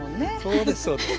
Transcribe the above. そうですそうです。